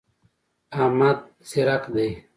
احمد ځیرک دی.